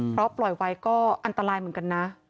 เพราะปล่อยไว้ก็อันตรายเหมือนกันนะ